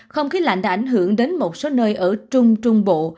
không khí lạnh đã ảnh hưởng đến một số nơi ở trung trung bộ